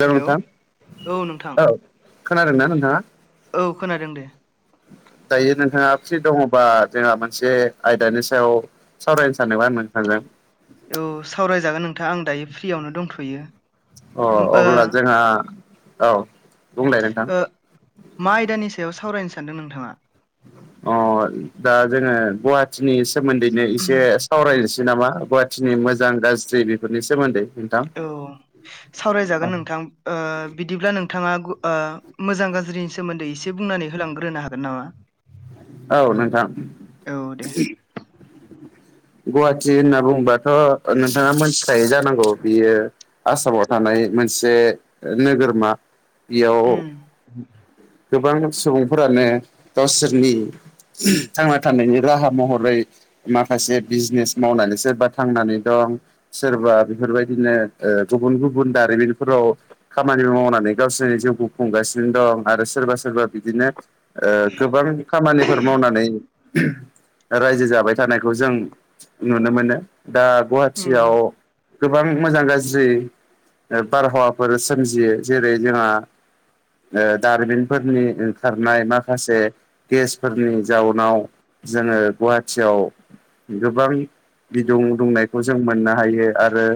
हेल' hello नोंथां औ नोंथां खोनादोंना नोंथाङा औ खोनादों दे। दायो नोंथांआ फ्रि दङबा? जोंहा मोनसे आयदानि सायाव सावरायनो सानोबा नोंथांजों। औ सावराय जागोन नोंथां आं दायो फ्रियावनो दंथ'यो। अ ओ अब्ला जोंहा औ बुंलाय नोंथां मा आयदानि सायाव सावरायनो सानदों नोंथाङा। अ दा जोङो गुवाहाटिनि सोमोन्दैनो एसे। सावरायनोसै नामा गुवाहाटटिनि मोजां गाज्रि बेफोरनि सोमोन्दै नोंथां। औ सावराय जागोन नोंथां औ बिदिब्ला नोंथाङा मोजां गाज्रि सोमोन्दै एसे बुंनानै होलांग्रोनो हागोन नामा। औ नोंथां। औ दे गुवाहाटि होनना बुंङोबाथ' नोंथाङा मोनथि मिथिखायो जानांगौ बियो आसामाव थानाय मोनसे नोगोरमा। बेयाव उम गोबां सुबुंफोरानो गावसोरनि थांना थानायनि राहा महरै माखासे बिजनेस मावनानै सोरबा थांनानै दं। सोरबा बेफोरबायदिनो गुबुन गुबुन दारिमिनफोराव खामानि मावनानै गावसोरनि जिउखौ खुंगासिनो दं आरो सोरबा सोरबा बिदिनो गोबां खामानिफोर मावनानै रायजो जाबाय थानायखौ जों नुनो मोनो दा उम गुवाहाटियाव गोबां मोजां गाज्रि बारहावाफोर सोमजियो जेरै जोंहा दारमिनफोरनि ओंखारनाय माखासे गेसफोरनि जाउनाव जोङो गुवाहाटियाव। गोबां बिदुं दुंनायखौ जों मोननो हायो आरो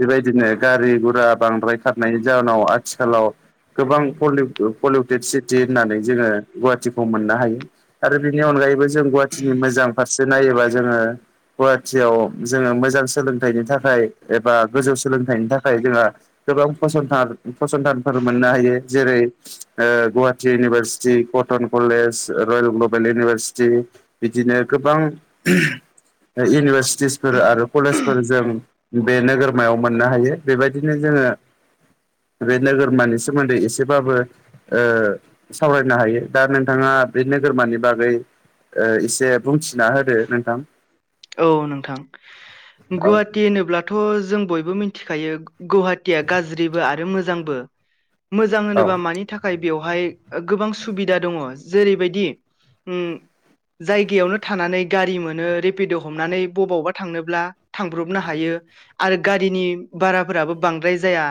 बेबायदिनो पलिउटेद सिटि होननानै जोङो गुवाहाटिखौ मोननो हायो आरो बेनि अनगायैबो जों गुवाहाटिनि मोजां फारसे नायोबा जोङो गुवाहाटियाव जोङो मोजां सोलोंथाइनि थाखाय एबा गोजौ सोलोंथाइनि थाखाय जोंहा गोबां फसंथान फसंथानफोर मोननो हायो जेरै Guwahati university cotton college royal global university. बिदिनो गोबां इउनिभारसिटिसफोर आरो कलेजफोरजों बे नोगोरमायाव मोननो हायो बेबायदिनो जोङो। बे नोगोरमानि सोमोन्दै एसेबाबो। सावरायनो हायो दा नोंथाङा बे नोगोरमानि बागै इसे बुंथिना होदो नोंथां। औ नोंथां औ गुवाहाटो। होनोबाथ' जों बयबो मिथिखायो गुवाहाटिया गाज्रिबो आरो मोजांबो मोजां औ होनोबा मानि थाखाय थाखाय बेवहाय गोबां सुबिदा दङ जेरैबायदि जायगायावनो थानानै गारि मोनो ओरै बेद' हमनानै बबावबा थांनोब्ला थांब्रबनो हायो। आरो गारिनि भाराफोराबो बांद्राय जाया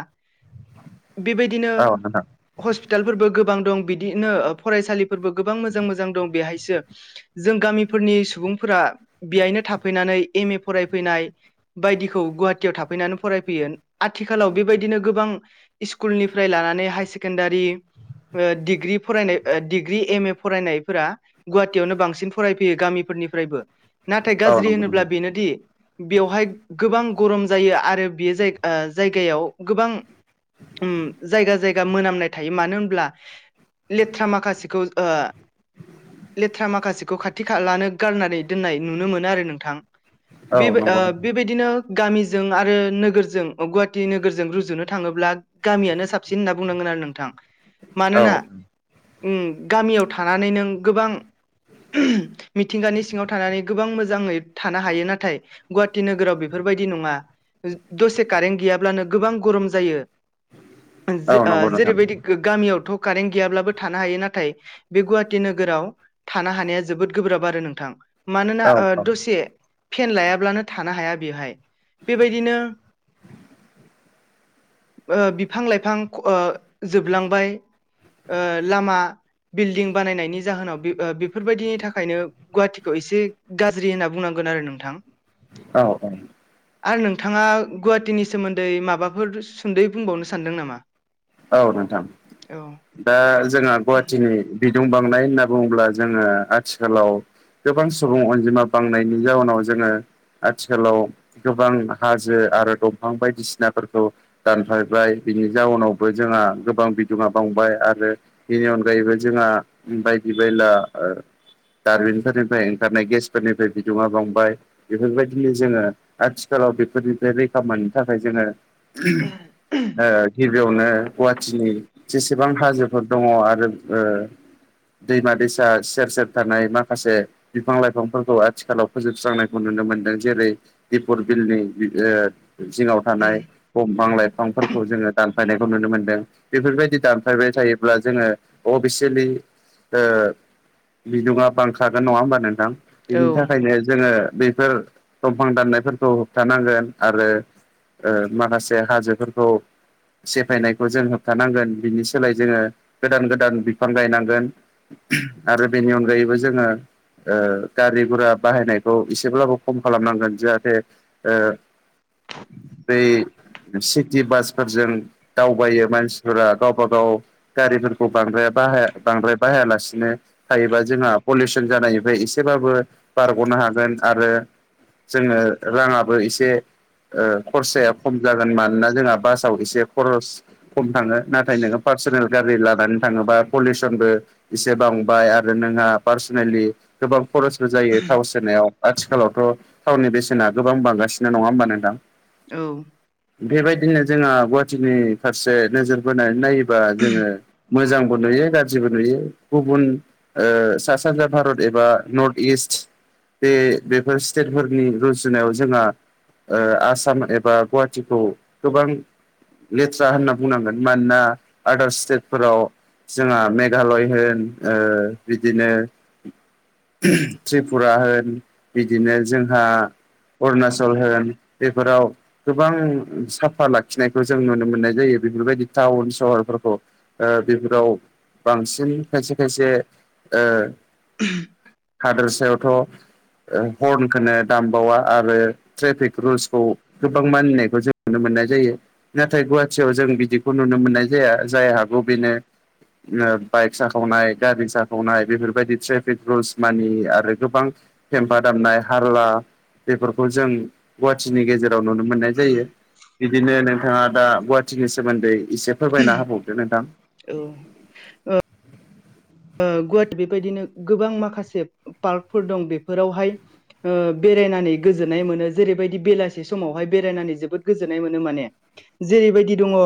बेबायदिनो। औ नोंथां हस्पिटालफोरबो गोबां दं बिदिनो फरायसालिफोरबो गोबां मोजां मोजां दं बेहायसो जों गामिफोरनि सुबुंफोरा बेहायनो थाफैनानै एम ए फरायफैनाय बायदिखौ गुवाहाटियाव थाफैनानै फरायफैयो आथिखालाव बेबायदिनो गोबां स्कुलनिफ्राय लानानै हायार सेकेणडारि डिग्रि फरायनाय डिग्रि एम ए फरायनायफोरा गुवाहाटियावनो बांसिन फरायफैयो गामिफोरनिफ्रायबो नाथाय औ गाज्रि नंगौ होनोब्ला नोंथां बेनोदि बेवहाय गोबां गरम जायो आरो बेयो जाय जायगायाव गोबां उम जायगा जायगा मोनामनाय थायो मानो होनब्ला लेथ्रा माखासेखौ लेथ्रा माखासेखौ खाथि खा लानो गारनानै दोननाय नुनो मोनो आरो नोंथां। औ नंगौ नोंथां बेबायदिनो गामिजों आरो नोगोरजों गुवाहाटि नोगोरजों रुजुनो थाङोब्ला गामियानो साबसिन होनना बुंनांगोन आरो नोंथां औ मानोना ओम गामियाव थानानै नों गोबां मिथिंगानि सिङाव थानानै गोबां मोजाङै थानो हायो नाथाय गुवाहाटि नोगोराव बेफोरबायदि नङा दसे कारेन्ट गैयाब्लानो गोबां गरम जायो औ नंगौ नोंथां जेरैबायदि गामियावथ' कारेन्ट गैयाब्लाबो थानो हायो नाथाय बे गुवाहाटि नोगोराव थानो हानाया जोबोद गोब्राब आरो नोंथां। मानोना औ ओ दसे फेन लायाब्लानो थानो हाया बेवहाय बेबायदिनो ओ बिफां लाइफां जोबलांबाय ओ लामा बिल्डिं बानायनायनि जाहोनाव बेफोरबायदिनि थाखायनो गुवाहाटि खौ एसे गाज्रि होनना बुंनांगोन आरो नोंथां। औ औ आरो नोंथाङा गुवाहाटिनि सोमोन्दै माबाफोर सुंदयै बुंबावनो सानदों नामा औ नोंथां औ दा जोंहा गुवाहाटिनि बिदुं बांनाय होनना बुङोब्ला जोङो आथिखालाव गोबां सुबुं अनजिमा बांनायनि जाउनाव जोङो आथिखालाव गोबां हाजो आरो दंफां बायदिसिनाफोरखौ दानफायबाय बिनि जाउनाव जोंहा गोबां बिदङा बावबाय आरो बेनि अनगायैबो जोंहा बायदि बायला दारबिनफोरनिफ्राय ओंखारनाय गेसफोरनिफ्राय बिदुङा बांबाय बेफोरबायदिनो जोङो आथिखालाव बेफोरनिफ्राय रैखा मोननो थाखाय जोङो गिबियाव नो गुवाहाटिनि जेसेबां हाजोफोर दङ आरो दैमा दैसा सेर सेर थानाय माखासे बिफां लाइफांफोरखौ आथिखालाव फोजोबस्रांनायखौ नुनो मोनदों जेरै दिपुर बिलनि जिङाव थानाय दंफां लाइफांफोरखौ जोङो दान नुनो मोनदों बेफोरबायदि दानफायबाय थायोब्ला जोङो अफिसियेलि ओ बिदुङा बांखागोन नङा होमबा नोंथां औ बिनि थाखायनो जोङो बेफोर दंफां दाननायफोरखौ होबथानांगोन आरो माखासे हाजोफोरखौ सेफायनायखौ जों होबथानांगोन बिनि सोलाय जोङो गोदान गोदान बिफां गायनांगोन आरो बेनि अनगायैबो जोङो गारि गुरा बाहायनायखौ एसेब्लाबो खम खालामनांगोन जाहाथे बै सिटि बासफोरजों दावबायो मानसिफोरा गावबा गाव गारिफोरखौ बांद्राय बाहाया बांद्राय बाहायालासिनो थायोबा जोंहा पलिउसन जानायनिफ्राय एसेबाबो बारग'नो हागोन आरो जोङो राङाबो एसे ओ खरसाया खम जागोन मानोना जोंहा बासाव इसे खरस खम थाङो नाथाय नोङो पार्सनेल गारि लानानै थाङोबा पलिउसनबो इसे बांबाय आरो नोंहा पार्सनेलि गोबां खरसबो जायो थाव सोनायाव। आथिखालावथ' थावनि बेसेना गोबां बांगासिनो नङा ओमबा नोंथां? औ बेबायदिनो जोंहा गुवाहाटिनि फारसे नोजोर बोनानै नायोबा जोङो मोजांबो नुयो गाज्रिबो नुयो गुबुन ओ सा सानजा भारत एबा नर्थ इस्ट बे बेफोर स्टेटफोरनि रुजुनायाव जोंहा ओ आसाम एबा गुवाहाटिखौ गोबां लेथ्रा होनना बुंनांगोन मानोना आदार स्टेटफोराव जोंहा मेघालय होन ओ बिदिनो त्रिपुरा होन बिदिनो जोंहा अरुणाचल होन बेफोराव गोबां साफा लाखिनाय खौ जों नुनो मोननाय जायो बेफोरबायदि टाउन सहरफोरखौ ओ बेफोराव बांसिन खायसे खायसे ओ [unintelligible] हादोरसायावथ' ओ हरनखौनो दामबावा आरो ट्रेफिक रुल्सखौ गोबां मानिनायखौ जों नुनो मोननाय जायो। नाथाय गुवाटियाव जों बिदिखौ नुनो मोननाय जाया जाय हागौ बेनो बाइक साखावनाय गारि साखावनाय बेफोरबायदि ट्रेफिक रुल्स मानि आरो गोबां पेम्फा दामनाय हारला बेफोरखौ जों गुवाटिनि गेजेर राव नुनो मोननाय जायो बिदिनो नोंथाङा दा गुवाटिनि सोमोन्दै इसे फोरमायना होबावदो नोंथां। औ ओ गुवाट बेबायदिनो गोबां माखासे पार्कफोर दं बेफोरावहाय ओ बेरायनानै गोजोननाय मोनो जेरैबायदि बेलासि समावहाय बेरायनानै जोबोद गोजोननाय मोनो माने। जेरैबायदि दङ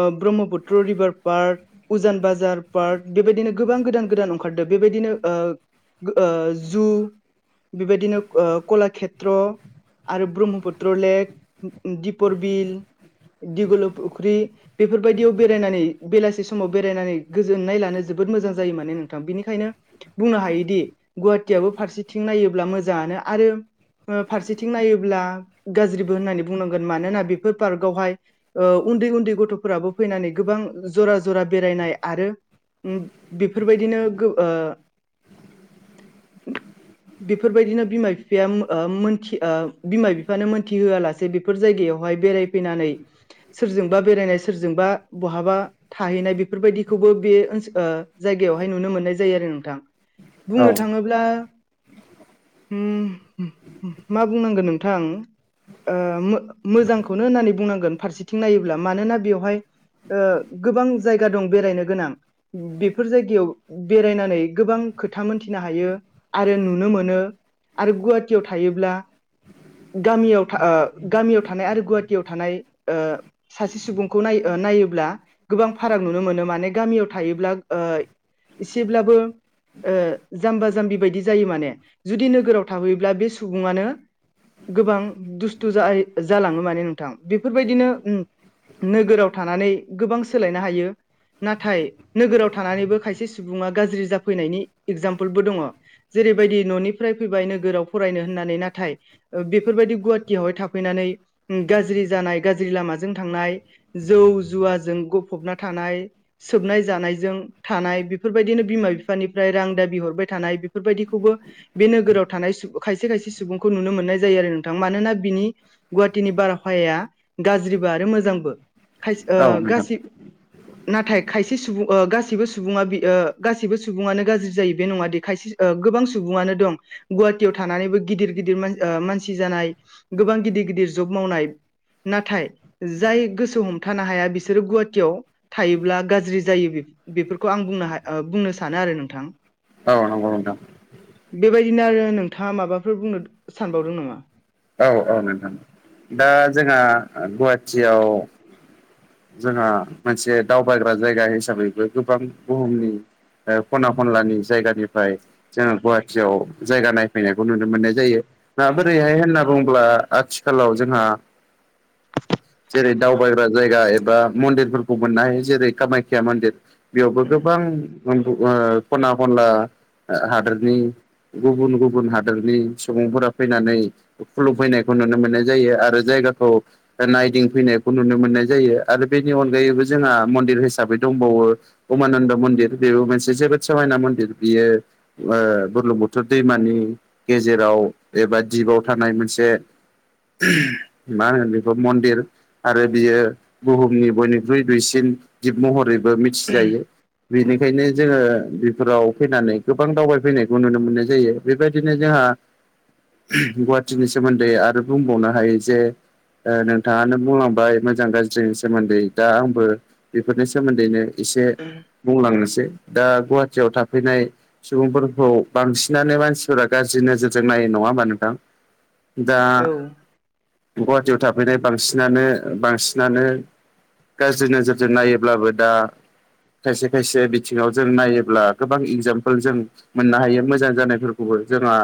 ओ ब्रह्मपुत्र रिभार पार्क उजान बाजार पार्क बेबायदिनो गोबां गोदान गोदान ओंखारदों बेबायदिनो ओ गो ओ जु बेबायदिनो ओ कलाखेत्र। आरो ब्रह्मपुत्र लेक दिपर बिल दिगल' फुख्रि। बेफोरबायदियाव बेरायनानै बेलासि समाव बेरायनानै गोजोननाय लानो जोब बोद मोजां जायो माने नोंथां बिनिखायनो बुंनो हायोदि गुवाहाटियाबो फारसेथिं नायोब्ला मोजाङानो आरो फारसेथिं नायोब्ला गाज्रिबो होननानै बुंनांगोन मानोना बेफोर पार्कआवहाय ओ उन्दै उन्दै गथ'फोराबो फैनानै गोबां जरा जरा बेरायनाय आरो उम बेफोरबायदिनो गो ओ [inaudible] बेफोरबायदिनो बिमा बिफाया ओ मोनथि ओ बिमा बिफानो मोनथि होआलासे फोर जायगायावहाय बेरायफैनानै सोरजोंबा बेरायनाय सोरजोंबा बहाबा थाहैनाय बेफोरबायदिखौबो बे ओनसो ओ जायगायावहाय नुनो मोननाय जायो आरो नोंथां औ बुंनो थाङोब्ला उम मा बुंनांगोन नोंथां ओ मो मोजांखौनो होननानै बुंनांगोन बिथिं नायोब्ला मानोना बेवहाय गोबां जायगा दं बेरायनो गोनां। बेफोर जायगायाव बेरायनानै गोबां खोथा मोनथिनो हायो। आरो नुनो मोनो आरो गुवाटियाव थायोब्ला गामियाव गामियाव थानाय आरो गुवाहाटियाव थानाय ओ सासे सुबुंखौ नाय नायोब्ला गोबां फाराग नुनो मोनो माने गामियाव थायोब्ला ओ एसेब्लाबो जाम्बा जाम्बि बायदि जायो माने जुदि नोगोराव थाहैयोब्ला बे सुबुङानो गोबां दुस्थु जालाङो माने नोंथां बेफोरबायदिनो नोगोराव थानानै गोबां सोलायनो हायो नाथाय नोगोराव थानानैबो खायसे सुबुंङा गाज्रि जाफैनायनि एगजामपोलबो दंङ जेरैबायदि न'निफ्राय फैबाय नोगोराव फरायनो होननानै नाथाय बेफोरबायदि गुवाहाटियावहाय थाफैनानै गाज्रि जानाय गाज्रि लामाजों थांनाय जौ जुवाजों गफबना थानाय सोबनाय जानायजों थानाय बेफोरबायदिनो बिमा बिफानिफ्राय रां दाबि हरबाय थानाय बेफोरबायदिखौबो बे नोगोराव थानाय खायसे खायसे सुबुंखौ नुनो मोननाय जायो आरो नोंथां मानोना बिनि गुवाहाटिनि बारहावाया गाज्रिबो आरो मोजांबो औ नोंथां गासि नाथाय खाय खायसे सुबुं गासैबो सुबुङा गासैबो सुबुङानो गाज्रि जायो बे नङाद खायसे गोबां सुबुङानो दं गुवाहाटियाव थानानैबो गिदिर गिदिर मानसि जानाय गोबां गिदिर गिदिर जब मावनाय नाथाय जाय गोसो हमथानो हाया बिसोरो गुवाटियाव थायोब्ला गाज्रि जायो बेफोरखौ आं बुंनो बुंनो सानो आरो नोंथां औ नंगौ नोंथां बेबायदिनो आरो नोंथाङा माबाफोर बुंनो सानबावदों नामा औ औ नोंथां दा जोंहा गुवाहाटियाव जोंहा मोनसे दावबायग्रा जायगा हिसाबैबो गोबां बुहुमनि खना खनलानि जायगानिफ्राय जोङो गुवाहाटियाव जायगा नायफैनायखौ नुनो मोननाय जायो मा बोरैहाय होनना बुङोब्ला आथिखालाव जोंहा जेरै दावबायग्रा जायगा एबा मन्दिरफोरखौ मोननो हायो जेरै कामाख्या मन्दिर बेयावबो गोबां खना खनला हादोरनि गुबुन गुबुन हादोरनि सुबुंफोरा फैनानै खुलुमफैनायखौ नुनो मोननाय जायो आरो जायगाखौ नायदिंफैनायखौ नुनो मोननाय जायो आरो बेनि अनगायैबो जोंहा मन्दिर हिसाबै दंबावो उमानन्द मन्दिर बेबो मोनसे जोबोद समायना मन्दिर बियो बुरलुं बोथोर दैमानि गेजेराव एबा दिपआव थानाय मोनसे मा होनो बेखौ मन्दिर आरो बियो बुहुमनि बयनिख्रुइ दुइसिन जिब महरैबो मिथिजायो बेनिखायनो जोङो बेफोराव फैनानै गोबां दावबायफैनायखौ नुनो मोननाय जायो बेबायदिनो जोंहा गुवाहाटिनि सोमोन्दै आरो बुंबावनो हायो जे नोंथाङानो बुंलांबाय मोजां गाज्रि जोंनि सोमोन्दै दा आंबो बेफोरनि सोमोन्दैनो एसे बुंलांनोसै दा गुवाहाटियाव थाफैनाय सुबुंफोरखौ बांसिनानो मानसिफोरा गाज्रि नोजोरजों नायो नंङा होमबा नोंथां दा औ गुवाहाटियाव थाफैनाय बांसिनानो बांसिन बिनो गाज्रि नोजोरजों नायोब्लाबो दा खायसे खायसे बिथिङाव जों नायोब्ला गोबां एगजामपोल जों मोननो हायो मोजां जानायफोरखौबो जोंहा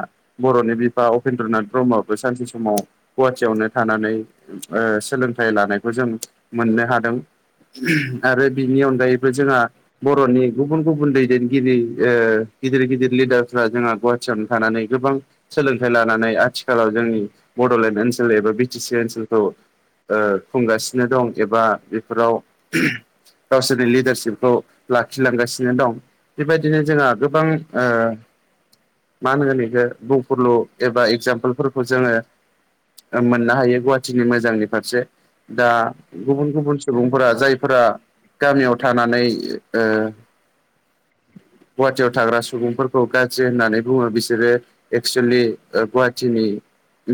बर'नि बिफा उपेन्द्र नाथ ब्रह्मआबो सानसे समाव गुवाहाटियावनो थानानै सोलोंथाइ लानायखौ जों मोननो हादों आरो बिनि अन बर'नि गुबुन गुबुन दैदेनगिरि ओ गिदिर गिदिर लिडारफ्रा जोंहा थियावनो थानानै गोबां सोलोंथाइ लानानै आथिखालाव जोंनि बड'लेण्ड ओनसोल एबा बि टि सि ओनसोलखौ ओ खुंगासिनो दं एबा बेफोराव गावसोरनि लिडारसिपखौ लाखिलांगासिनो दं बेबायदिनो जोंहा गोबां मा होनगोन बेखौ बुंफोरलु एबा एगजामपोलफोरखौ जोङो ओ मोननो हायो गुवाहाटिनि मोजांनि फारसे दा गुबुन गुबुन सुबुंफोरा जायफोरा गामियाव थानानै ओ गुवाहाटियाव थाग्रा सुबुंफोरखौ गाज्रि होननानै बुङो बिसोरो एक्सुेलि ओ गुवाहाटिनि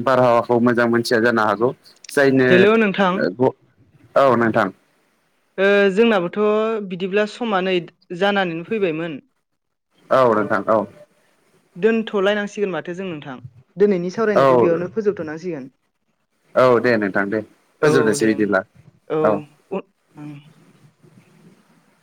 बारहावाखौ मोजां मोनो मिथिया जानो हागौ जायनो हेल' नोंथां ओ ग औ नोंथां ओ जोंनाबोथ' बिदिब्ला समा नै जानानैनो फैबायमोन औ नोथां औ दोनथ'लायनांसिगोन माथो जों नोंथां दिनैनि औ सावरायनायखौ बेयावनो फोजोबथ'नांसिगोन औ दे नोंथां दे फोजोबनोसै बिदिब्ला औ उ ओं